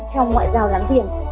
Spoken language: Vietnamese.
trong ngoại giao đáng diển